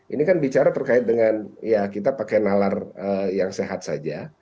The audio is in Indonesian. ini kan bicara terkait dengan ya kita pakai nalar yang sehat saja